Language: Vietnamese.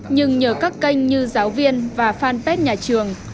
nhưng nhờ các kênh như giáo viên và fanpage nhà trường